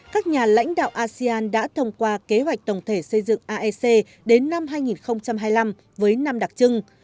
các nhà lãnh đạo asean đã thông qua kế hoạch tổng thể xây dựng aec đến năm hai nghìn hai mươi năm với năm đặc trưng